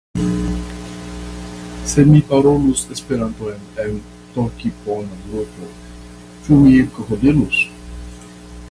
Se mi parolus Esperanton en tokipona grupo, ĉu mi krokodilus?